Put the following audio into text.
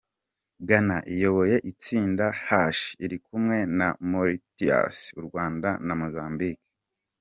Ghana iyoboye itsinda H iri kumwe na Mauritius, u Rwanda na Mozambique.